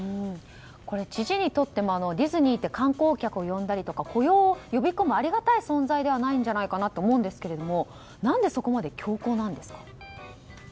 知事にとってもディズニーって観光客を呼んだり雇用を呼び込むありがたい存在じゃないかなと思うんですけど何で、そこまで強硬なんですか？